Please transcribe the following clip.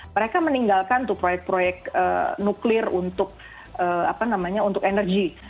mereka meninggalkan tuh proyek proyek nuklir untuk apa namanya untuk energi